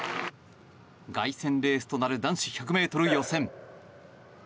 凱旋レースとなる男子１００ｍ予選。